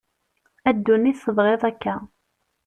A ddunit tebɣiḍ akka.